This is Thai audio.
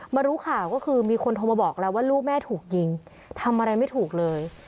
รู้ข่าวก็คือมีคนโทรมาบอกแล้วว่าลูกแม่ถูกยิงทำอะไรไม่ถูกเลย